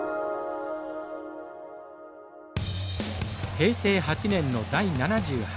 平成８年の第７８回大会。